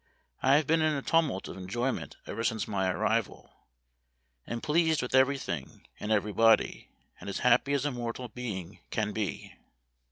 ... I have been in a tumult of enjoyment ever since my arrival, am pleased with every thing and every body, and as happy as mortal being can be."